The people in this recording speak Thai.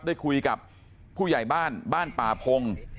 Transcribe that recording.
ได้คุยกับผู้ใหญ่บ้านบ้านป่าพง